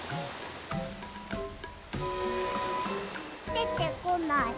でてこない。